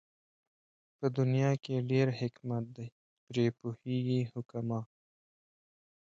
په دنيا کې ډېر حکمت دئ پرې پوهېږي حُکَما